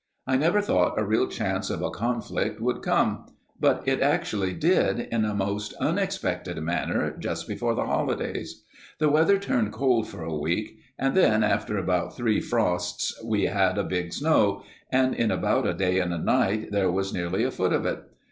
I never thought a real chance of a conflict would come, but it actually did in a most unexpected manner just before the holidays. The weather turned cold for a week, and then, after about three frosts, we had a big snow, and in about a day and a night there was nearly a foot of it.